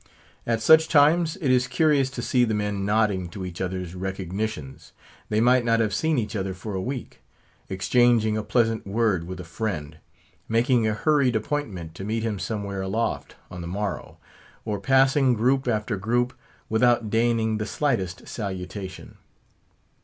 At such times, it is curious to see the men nodding to each other's recognitions (they might not have seen each other for a week); exchanging a pleasant word with a friend; making a hurried appointment to meet him somewhere aloft on the morrow, or passing group after group without deigning the slightest salutation.